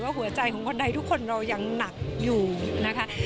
หัวใจของคนใดทุกคนเรายังหนักอยู่นะคะ